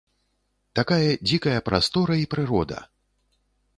Такая дзікая прастора і прырода!